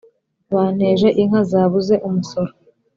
banteje inka zabuze umusoro